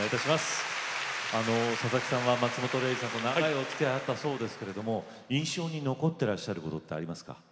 ささきさんは松本零士さんと長いおつきあいあったそうですけれども印象に残ってらっしゃることってありますか？